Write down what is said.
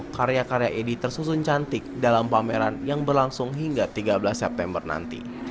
karya karya edy tersusun cantik dalam pameran yang berlangsung hingga tiga belas september nanti